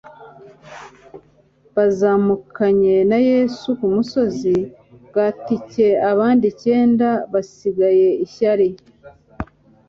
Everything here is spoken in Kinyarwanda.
bazamukanye na Yesu ku musozi kwatcye abandi icyenda basigaye ishyari.